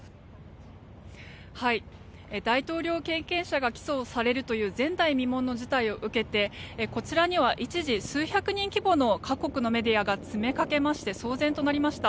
大統領経験者が起訴をされるという前代未聞の事態を受けてこちらには一時数百人規模の各国のメディアが詰めかけまして騒然となりました。